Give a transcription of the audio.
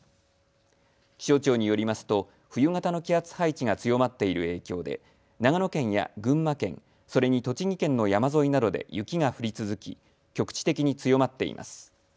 気象庁によりますと冬型の気圧配置が強まっている影響で長野県や群馬県、それに栃木県の山沿いなどで雪が降り続き局地的に強まっています。